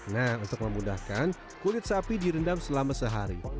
nah untuk memudahkan kulit sapi direndam selama sehari